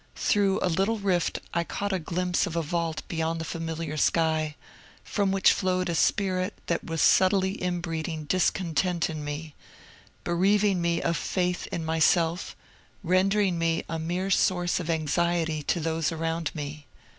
Through a little rift I caught a glimpse of a vault beyond the familiar sky, from which flowed a spirit that was subtly imbreeding discontent in me, bereaving me of faith in myself, rendering me a mere source of anxiety to those around me.